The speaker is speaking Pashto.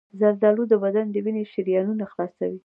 زردآلو د بدن د وینې شریانونه خلاصوي.